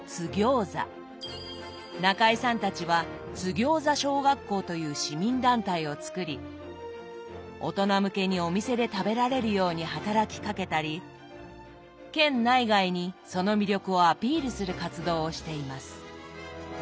中井さんたちは津ぎょうざ小学校という市民団体を作り大人向けにお店で食べられるように働きかけたり県内外にその魅力をアピールする活動をしています。